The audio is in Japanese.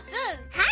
はい。